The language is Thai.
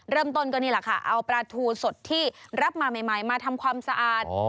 เริ่มต้นก็นี่แหละค่ะเอาปลาทูสดที่รับมาใหม่มาทำความสะอาด